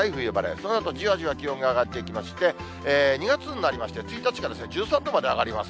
そのあと、じわじわ気温が上がっていきまして、２月になりまして、１日から１３度まで上がります。